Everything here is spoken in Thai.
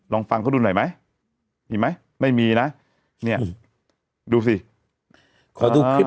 ลองฟังเขาดูหน่อยไหมมีไหมไม่มีนะเนี่ยดูสิขอดูคลิป